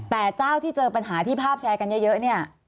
แต่เจ้าที่เจอปัญหาที่ภาพแชร์กันเยอะเนี่ย